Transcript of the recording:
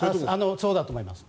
そうだと思います。